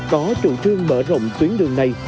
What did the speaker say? có chủ trương mở rộng tuyến đường này